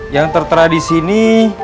yang tertera disini